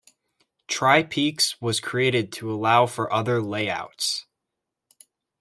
TriPeaks was created to allow for other layouts.